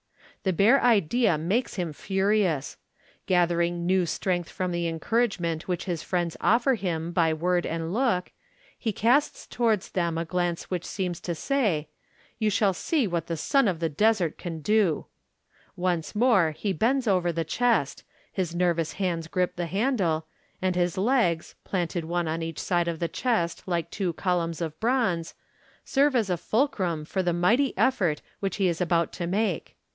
The bare idea makes him furious. Gathering new strength from the encouragement which his friends offer him by word and look, he casts towards them a glance which seems to say, ' You shall see what the son of the desert can do/ Once more he bends over the chest, his nervous hands grip the handle, and his legs, planted one on each side of the chest like two columns of bronze, serve as a fulcrum for the mighty effort which he is about to make.